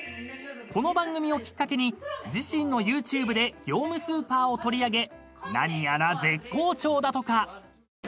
この番組をきっかけに自身のＹｏｕＴｕｂｅで業務スーパーを取り上げ何やら絶好調だとか］